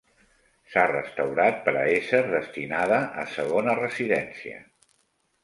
S'ha restaurat per a ésser destinada a segona residència.